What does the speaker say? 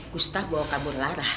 gustaf bawa kabur lara